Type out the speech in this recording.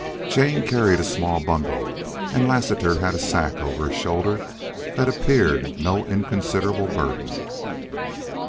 Jane carried a small bundle and Lassiter had a sack over his shoulder that appeared no inconsiderable burden.